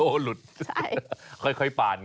โศ่หลุดใช่